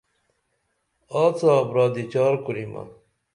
آڅا برادی چار کوریمہ